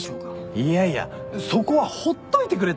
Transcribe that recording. いやいやそこはほっといてくれってサインだろ。